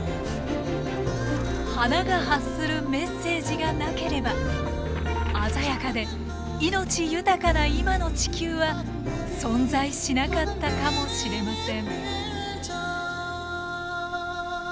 花が発するメッセージがなければ鮮やかで命豊かな今の地球は存在しなかったかもしれません。